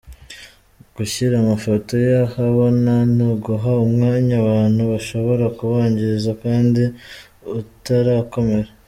Gushyira amafoto ye ahabona ni uguha umwanya abantu bashobora kuwangiza kandi utarakomera.